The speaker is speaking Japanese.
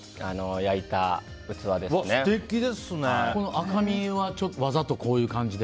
赤みはわざとこういう感じで？